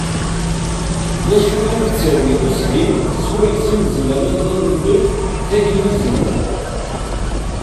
D acu i d ttawil ushil swayes i nezmer ad nelmed tagnizit?